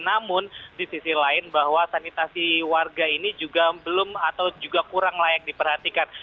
namun di sisi lain bahwa sanitasi warga ini juga belum atau juga kurang layak diperhatikan